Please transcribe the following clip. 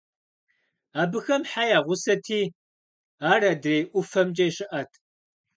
Абыхэм хьэ я гъусэти, ар адрей ӀуфэмкӀэ щыӀэт.